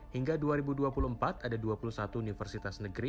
hingga dua ribu dua puluh empat ada dua puluh satu universitas negeri